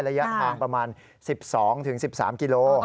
ระยะทางประมาณ๑๒๑๓กิโล